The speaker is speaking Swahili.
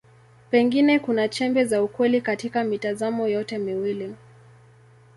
Pengine kuna chembe za ukweli katika mitazamo yote miwili.